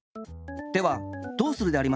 ではどうするでありますか？